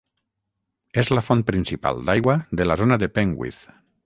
És la font principal d'aigua de la zona de Penwith.